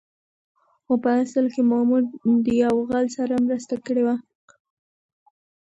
خو په اصل کې مامور د يو غل سره مرسته کړې وه.